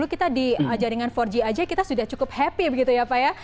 kita di jaringan empat g saja kita sudah cukup happy begitu ya pak ya